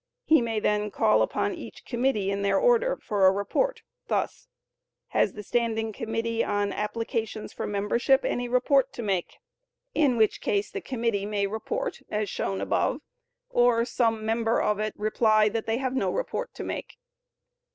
He may then call upon each committee in their order, for a report, thus: "Has the committee on applications for membership any report to make?" In which case the committee may report, as shown above, or some member of it reply that they have no report to make.